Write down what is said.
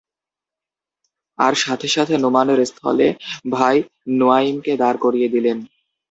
আর সাথে সাথে নু’মানের স্থলে ভাই নু’য়াঈমকে দাঁড় করিয়ে দিলেন।